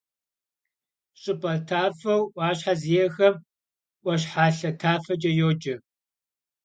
Ş'ıp'e tafeu 'Uaşhe zi'exem — 'Uaşhalhe tafeç'e yoce.